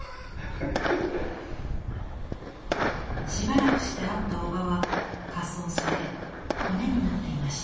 ハハハッ。しばらくして会ったおばは火葬され骨になっていました。